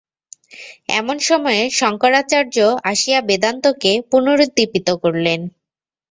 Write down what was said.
এমন সময়ে শঙ্করাচার্য আসিয়া বেদান্তকে পুনরুদ্দীপিত করিলেন।